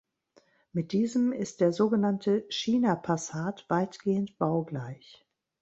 Mit diesem ist der sogenannte „China-Passat“ weitgehend baugleich.